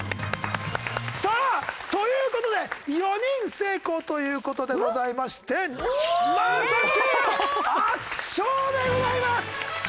さあという事で４人成功という事でございまして真麻チームの圧勝でございます！